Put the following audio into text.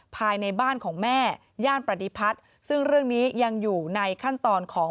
ภายในบ้านของแม่ย่านประดิพัฒน์ซึ่งเรื่องนี้ยังอยู่ในขั้นตอนของ